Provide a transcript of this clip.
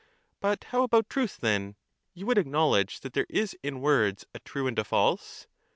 But how about truth, then? you would acknowledge that there is in words a true and a false?